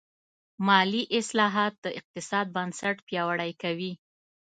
مالي اصلاحات د اقتصاد بنسټ پیاوړی کوي.